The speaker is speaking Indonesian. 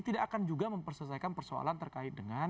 tidak akan juga memperselesaikan persoalan terkait dengan